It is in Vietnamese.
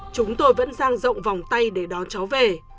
chúng tôi vẫn giang rộng vòng tay để đón cháu về